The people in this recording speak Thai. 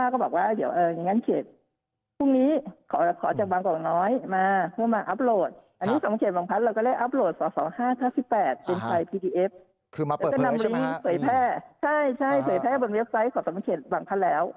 ใช้เป็นเว็บไซต์ของประเภทหลังครั้งแล้ว